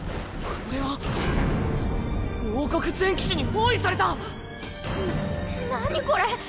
これ王国全騎士に包囲されたな何これ？